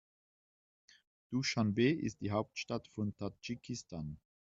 Duschanbe ist die Hauptstadt von Tadschikistan.